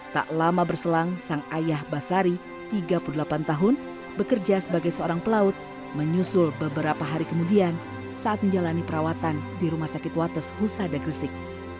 tak lama berselang sang ayah basari tiga puluh delapan tahun bekerja sebagai seorang pelaut menyusul beberapa hari kemudian saat menjalani perawatan di rumah sakit wates husada gresik